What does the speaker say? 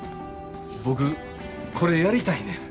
僕これやりたいねん。